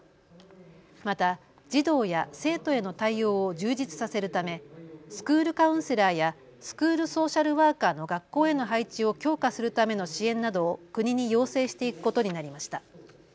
また児童や生徒への対応を充実させるためスクールカウンセラーやスクールソーシャルワーカーの学校への配置を強化するための支援などを国に要請していくことになりました。